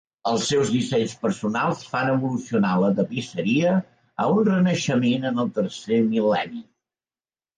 Els seus dissenys personals fan evolucionar la tapisseria a un renaixement en el tercer mil·lenni.